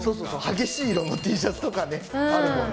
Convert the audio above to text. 激しい色のＴシャツとかあるもんね。